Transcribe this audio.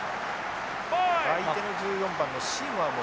相手の１４番のシーモアも。